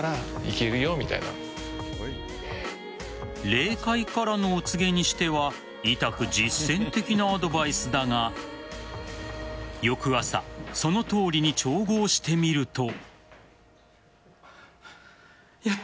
霊界からのお告げにしてはいたく実践的なアドバイスだが翌朝そのとおりに調合してみると。